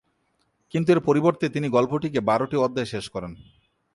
কিন্তু এর পরিবর্তে, তিনি গল্পটিকে বারোটি অধ্যায়ে শেষ করেন।